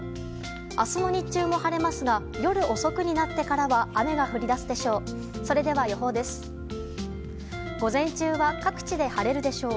明日の日中も晴れますが夜遅くになってからは雨が降り出すでしょう。